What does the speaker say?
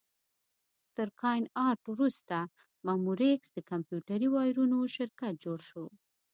تر کاین ارټ وروسته مموریکس د کمپیوټري وایرونو شرکت جوړ شو.